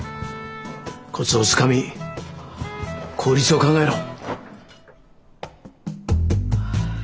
コツをつかみ効率を考えろ。